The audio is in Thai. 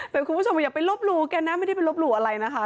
แต่คุณผู้ชมอย่าไปลบหลู่แกนะไม่ได้ไปลบหลู่อะไรนะคะ